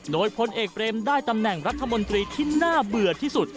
โดยพลเอกเบรมได้ตำแหน่งรัฐมนตรีที่น่าเบื่อที่สุด